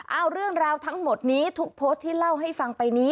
เอาเรื่องราวทั้งหมดนี้ทุกโพสต์ที่เล่าให้ฟังไปนี้